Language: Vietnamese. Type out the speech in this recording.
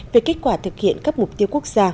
về kết quả thực hiện các mục tiêu quốc gia